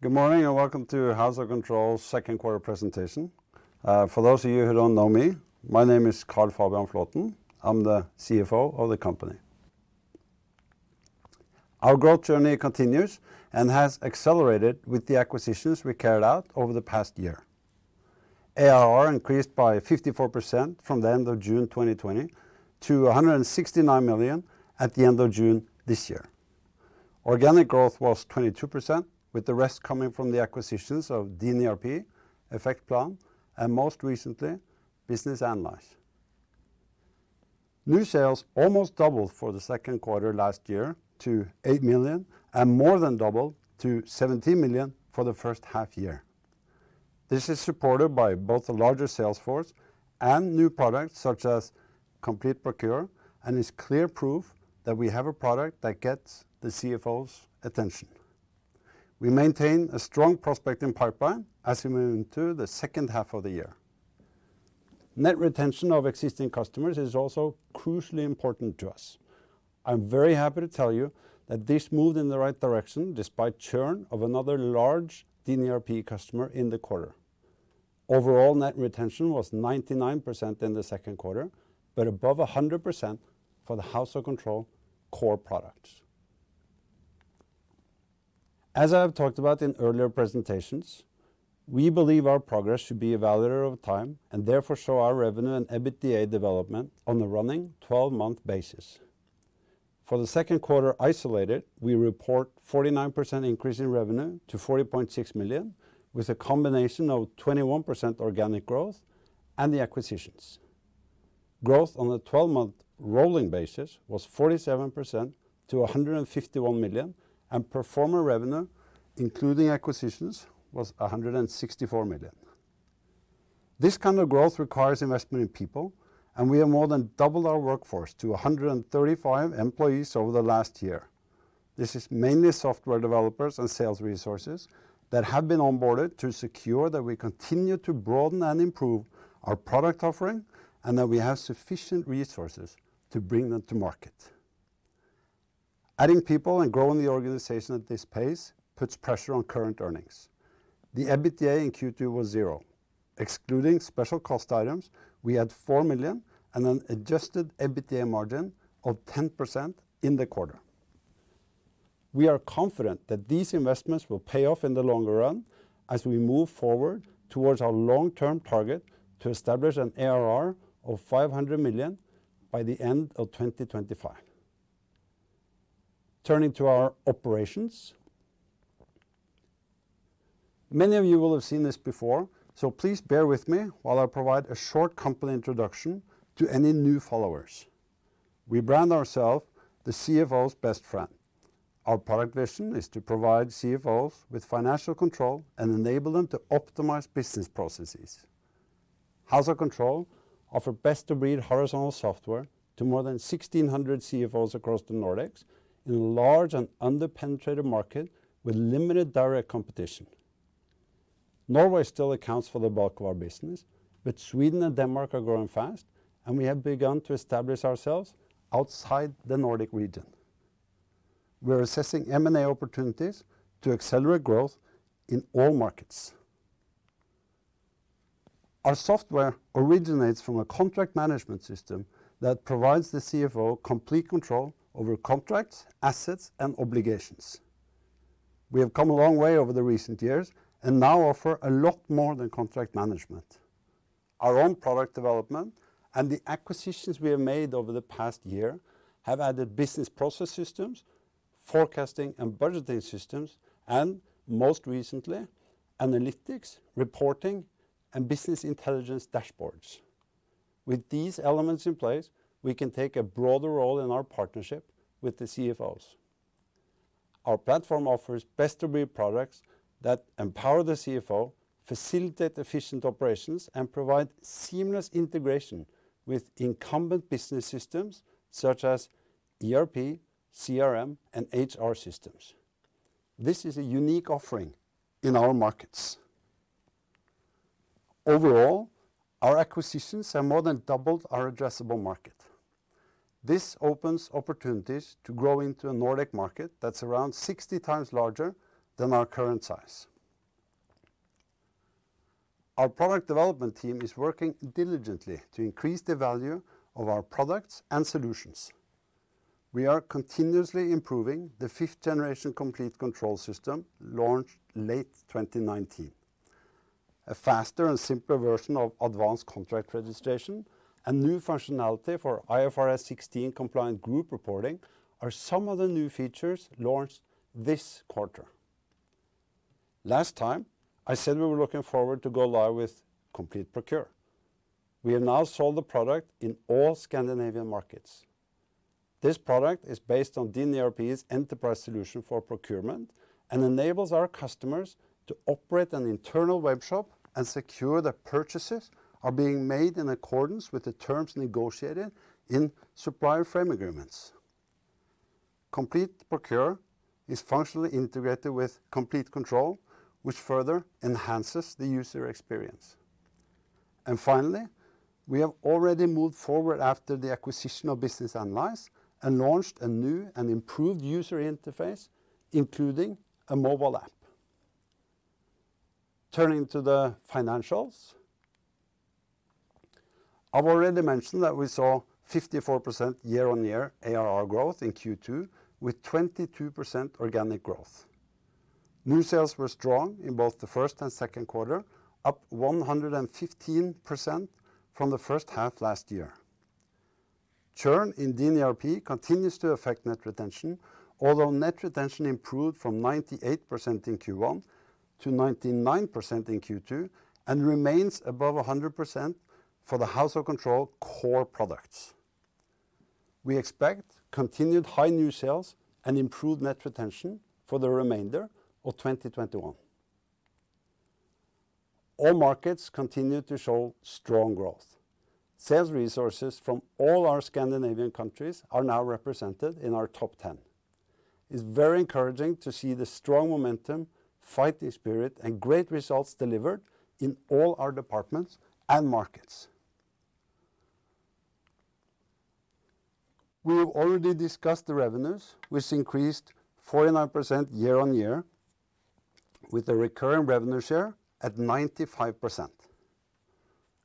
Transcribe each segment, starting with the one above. Good morning, welcome to House of Control's Second Quarter Presentation. For those of you who don't know me, my name is Carl Fabian Flaaten. I'm the CFO of the company. Our growth journey continues and has accelerated with the acquisitions we carried out over the past year. ARR increased by 54% from the end of June 2020 to 169 million at the end of June this year. Organic growth was 22%, with the rest coming from the acquisitions of DinERP, Effectplan, and most recently, Business Analyze. New sales almost doubled for the second quarter last year to 8 million and more than doubled to 17 million for the first half year. This is supported by both the larger sales force and new products, such as Complete Control, and is clear proof that we have a product that gets the CFO's attention. We maintain a strong prospecting pipeline as we move into the second half of the year. Net retention of existing customers is also crucially important to us. I'm very happy to tell you that this moved in the right direction despite churn of another large DinERP customer in the quarter. Overall net retention was 99% in the second quarter, but above 100% for the House of Control core products. As I have talked about in earlier presentations, we believe our progress should be evaluated over time and therefore show our revenue and EBITDA development on a running 12-month basis. For the second quarter isolated, we report 49% increase in revenue to 40.6 million, with a combination of 21% organic growth and the acquisitions. Growth on the 12-month rolling basis was 47% to 151 million, and pro forma revenue, including acquisitions, was 164 million. This kind of growth requires investment in people, and we have more than doubled our workforce to 135 employees over the last year. This is mainly software developers and sales resources that have been onboarded to secure that we continue to broaden and improve our product offering and that we have sufficient resources to bring them to market. Adding people and growing the organization at this pace puts pressure on current earnings. The EBITDA in Q2 was 0. Excluding special cost items, we had 4 million and an Adjusted EBITDA margin of 10% in the quarter. We are confident that these investments will pay off in the longer run as we move forward towards our long-term target to establish an ARR of 500 million by the end of 2025. Turning to our operations. Many of you will have seen this before, so please bear with me while I provide a short company introduction to any new followers. We brand ourselves the CFO's best friend. Our product vision is to provide CFOs with financial control and enable them to optimize business processes. House of Control offer best-of-breed horizontal software to more than 1,600 CFOs across the Nordics in a large and under-penetrated market with limited direct competition. Norway still accounts for the bulk of our business, but Sweden and Denmark are growing fast, and we have begun to establish ourselves outside the Nordic region. We're assessing M&A opportunities to accelerate growth in all markets. Our software originates from a contract management system that provides the CFO Complete Control over contracts, assets, and obligations. We have come a long way over the recent years and now offer a lot more than contract management. Our own product development and the acquisitions we have made over the past year have added business process systems, forecasting and budgeting systems, and most recently, analytics, reporting, and business intelligence dashboards. With these elements in place, we can take a broader role in our partnership with the CFOs. Our platform offers best-of-breed products that empower the CFO, facilitate efficient operations, and provide seamless integration with incumbent business systems such as ERP, CRM, and HR systems. This is a unique offering in our markets. Overall, our acquisitions have more than doubled our addressable market. This opens opportunities to grow into a Nordic market that's around 60 times larger than our current size. Our product development team is working diligently to increase the value of our products and solutions. We are continuously improving the fifth generation Complete Control system launched late 2019. A faster and simpler version of advanced contract registration and new functionality for IFRS 16 compliant group reporting are some of the new features launched this quarter. Last time, I said we were looking forward to go live with Complete Procure. We have now sold the product in all Scandinavian markets. This product is based on DinERP's enterprise solution for procurement and enables our customers to operate an internal web shop and secure their purchases are being made in accordance with the terms negotiated in supplier frame agreements. Complete Procure is functionally integrated with Complete Control, which further enhances the user experience. Finally, we have already moved forward after the acquisition of Business Analyze and launched a new and improved user interface, including a mobile app. Turning to the financials. I've already mentioned that we saw 54% year-on-year ARR growth in Q2, with 22% organic growth. New sales were strong in both the first and second quarter, up 115% from the first half last year. Churn in DinERP continues to affect net retention, although net retention improved from 98% in Q1 to 99% in Q2, and remains above 100% for the House of Control core products. We expect continued high new sales and improved net retention for the remainder of 2021. All markets continue to show strong growth. Sales resources from all our Scandinavian countries are now represented in our top 10. It's very encouraging to see the strong momentum, fighting spirit, and great results delivered in all our departments and markets. We've already discussed the revenues, which increased 49% year-on-year, with the recurring revenue share at 95%.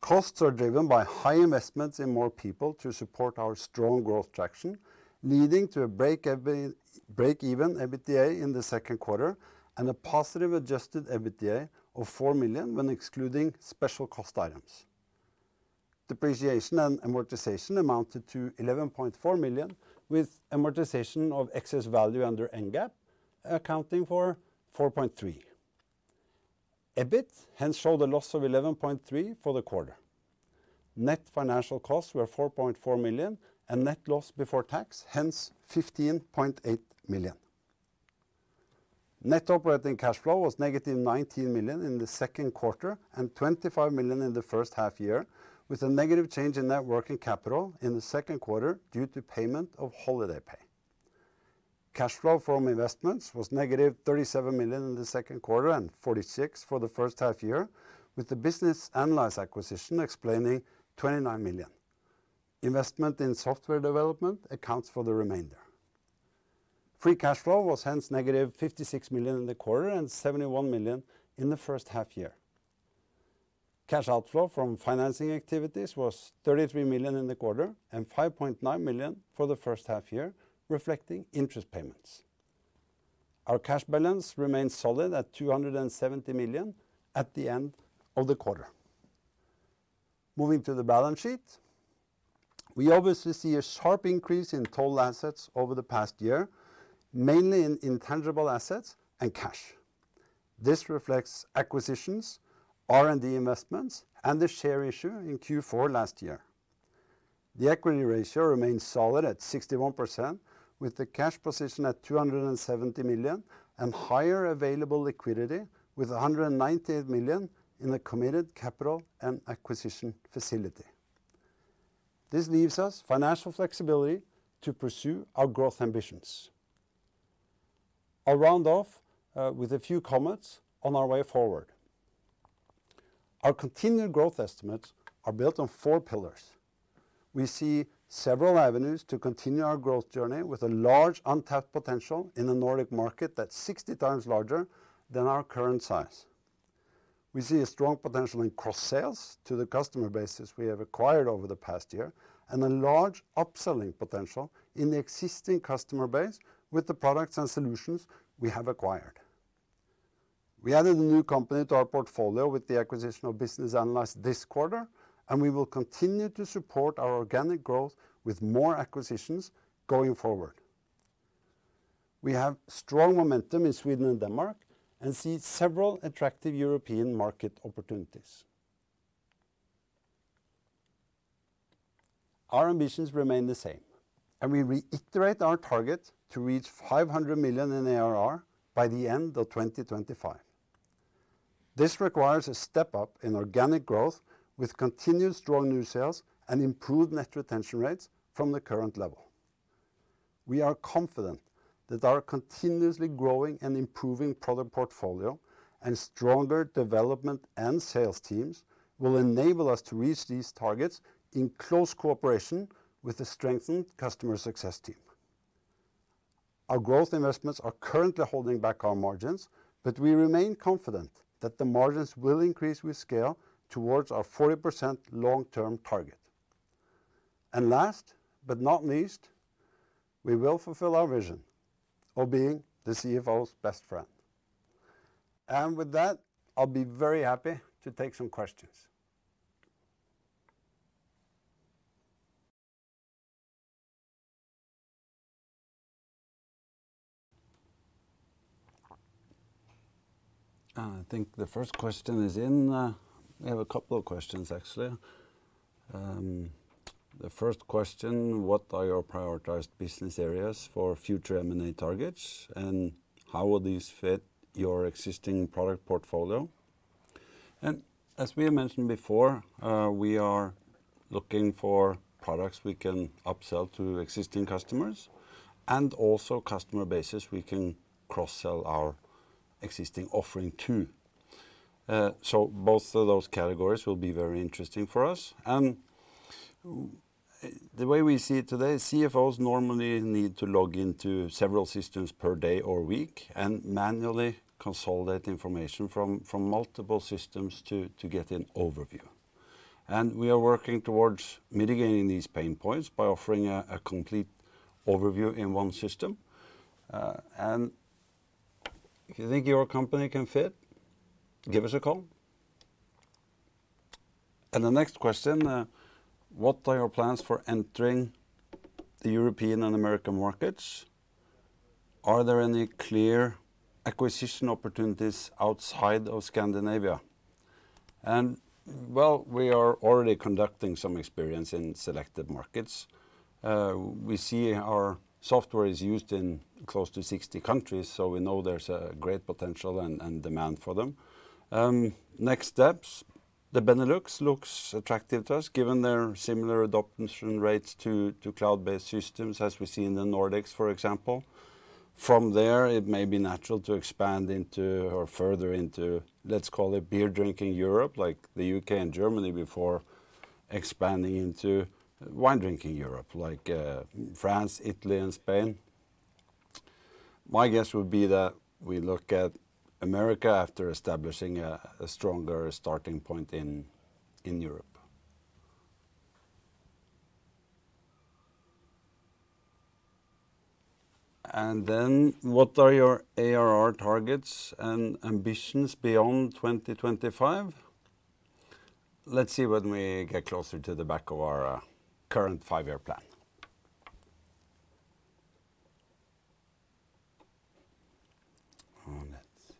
Costs are driven by high investments in more people to support our strong growth traction, leading to a breakeven EBITDA in the second quarter and a positive Adjusted EBITDA of 4 million when excluding special cost items. Depreciation and amortization amounted to 11.4 million, with amortization of excess value under NGAAP accounting for 4.3 million. EBIT hence showed a loss of 11.3 million for the quarter. Net financial costs were 4.4 million, and net loss before tax, hence 15.8 million. Net operating cash flow was negative 19 million in the second quarter and 25 million in the first half year, with a negative change in net working capital in the second quarter due to payment of holiday pay. Cash flow from investments was negative 37 million in the second quarter and 46 million for the first half year, with the Business Analyze acquisition explaining 29 million. Investment in software development accounts for the remainder. Free Cash Flow was hence negative 56 million in the quarter and 71 million in the first half-year. Cash outflow from financing activities was 33 million in the quarter and 5.9 million for the first half-year, reflecting interest payments. Our cash balance remains solid at 270 million at the end of the quarter. Moving to the balance sheet, we obviously see a sharp increase in total assets over the past year, mainly in intangible assets and cash. This reflects acquisitions, R&D investments, and the share issue in Q4 last year. The equity ratio remains solid at 61%, with the cash position at 270 million and higher available liquidity with 198 million in the committed capital and acquisition facility. This leaves us financial flexibility to pursue our growth ambitions. I'll round off with a few comments on our way forward. Our continued growth estimates are built on four pillars. We see several avenues to continue our growth journey with a large untapped potential in the Nordic market that's 60 times larger than our current size. We see a strong potential in cross-sales to the customer bases we have acquired over the past year, and a large upselling potential in the existing customer base with the products and solutions we have acquired. We added a new company to our portfolio with the acquisition of Business Analyze this quarter, and we will continue to support our organic growth with more acquisitions going forward. We have strong momentum in Sweden and Denmark and see several attractive European market opportunities. Our ambitions remain the same, and we reiterate our target to reach 500 million in ARR by the end of 2025. This requires a step up in organic growth with continued strong new sales and improved net retention rates from the current level. We are confident that our continuously growing and improving product portfolio and stronger development and sales teams will enable us to reach these targets in close cooperation with a strengthened customer success team. Our growth investments are currently holding back our margins. We remain confident that the margins will increase with scale towards our 40% long-term target. Last but not least, we will fulfill our vision of being the CFO's best friend. With that, I'll be very happy to take some questions. I think the first question is in. We have a couple of questions, actually. The first question, ''What are your prioritized business areas for future M&A targets, and how will these fit your existing product portfolio?'' As we have mentioned before, we are looking for products we can upsell to existing customers and also customer bases we can cross-sell our existing offering too. Both of those categories will be very interesting for us. The way we see it today, CFOs normally need to log into several systems per day or week and manually consolidate information from multiple systems to get an overview. We are working towards mitigating these pain points by offering a complete overview in one system. If you think your company can fit, give us a call. The next question, what are your plans for entering the European and American markets? Are there any clear acquisition opportunities outside of Scandinavia? Well, we are already conducting some experience in selected markets. We see our software is used in close to 60 countries, so we know there's a great potential and demand for them. Next steps, the Benelux looks attractive to us given their similar adoption rates to cloud-based systems, as we see in the Nordics, for example. From there, it may be natural to expand further into, let's call it beer-drinking Europe, like the U.K. and Germany, before expanding into wine-drinking Europe, like France, Italy and Spain. My guess would be that we look at America after establishing a stronger starting point in Europe. What are your ARR targets and ambitions beyond 2025? Let's see when we get closer to the back of our current five-year plan. Let's see.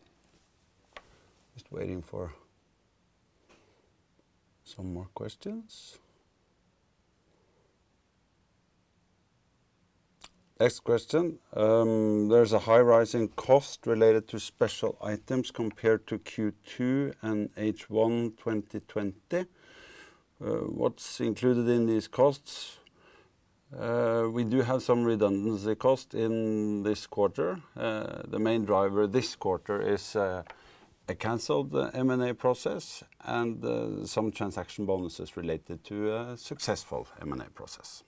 Just waiting for some more questions. Next question. ''There's a high rise in cost related to special items compared to Q2 and H1 2020. What's included in these costs?'' We do have some redundancy cost in this quarter. The main driver this quarter is a canceled M&A process and some transaction bonuses related to a successful M&A process.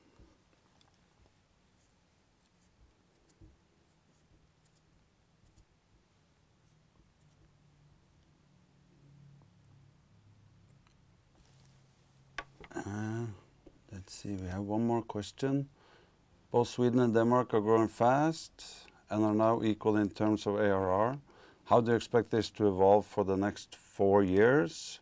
Let's see. We have one more question. ''Both Sweden and Denmark are growing fast and are now equal in terms of ARR. How do you expect this to evolve for the next four years?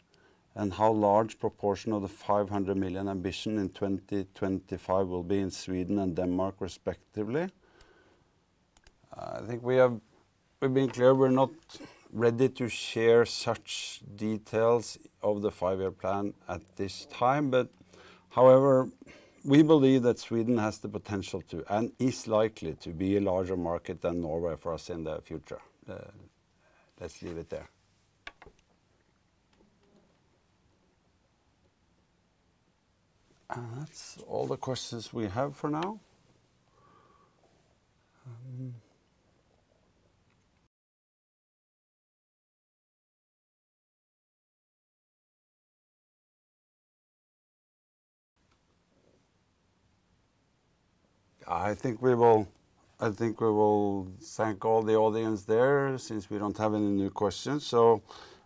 How large proportion of the 500 million ambition in 2025 will be in Sweden and Denmark respectively?'' I think we've been clear we're not ready to share such details of the five-year plan at this time. However, we believe that Sweden has the potential to, and is likely to be a larger market than Norway for us in the future. Let's leave it there. That's all the questions we have for now. I think we will thank all the audience there since we don't have any new questions.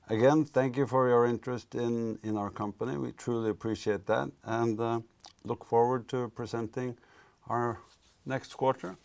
Again, thank you for your interest in our company. We truly appreciate that and look forward to presenting our next quarter.